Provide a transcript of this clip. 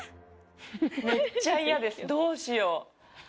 めっちゃ嫌ですよどうしよう。